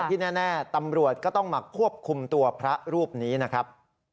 ที่แน่ตำรวจก็ต้องมาควบคุมตัวพระรูปนี้นะครับ